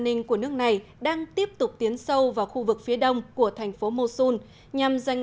ninh của nước này đang tiếp tục tiến sâu vào khu vực phía đông của thành phố mosun nhằm giành